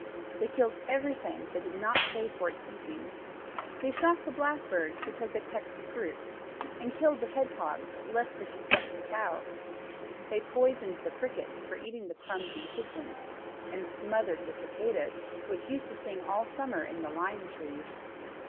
They killed everything that did not pay for its eating. They shot the blackbirds, because they pecked the fruit; and killed the hedgehogs, lest they should suck the cows; they poisoned the crickets for eating the crumbs in the kitchen; and smothered the cicadas, which used to sing all summer in the lime trees.